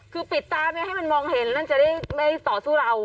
คือปิดตาไม่ให้มันมองเห็นนั่นจะได้ไม่ต่อสู้เรา